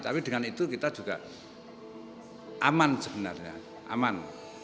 tapi dengan itu kita juga aman sebenarnya aman